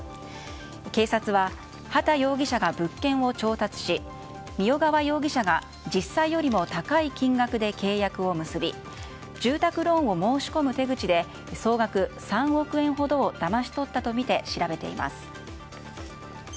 警察は、畑容疑者が物件を調達し三代川容疑者が実際よりも高い金額で契約を結び住宅ローンを申し込む手口で総額３億円ほどをだまし取ったとみて調べています。